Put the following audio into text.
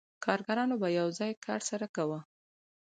کارګرانو به یو ځای کار سره کاوه